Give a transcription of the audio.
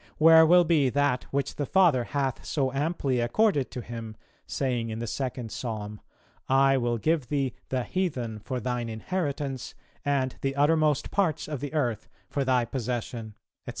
where will be that which the Father hath so amply accorded to Him, saying in the second Psalm 'I will give thee the heathen for Thine inheritance and the uttermost parts of the earth for Thy possession,' &c.?